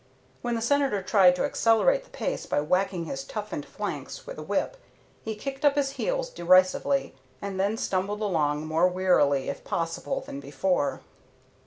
When the Senator tried to accelerate the pace by whacking his toughened flanks with the whip, he kicked up his heels derisively and then stumbled along more wearily if possible than before.